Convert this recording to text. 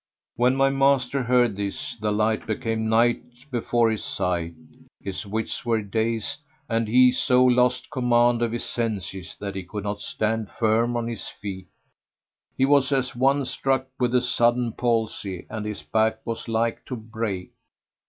When my master heard this the light became night before his sight; his wits were dazed and he so lost command of his senses that he could not stand firm on his feet: he was as one struck with a sudden palsy and his back was like to break.